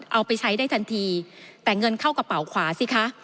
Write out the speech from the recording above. เอาไปใช้ได้ทันทีแต่เงินเข้ากระเป๋าขวาสิคะ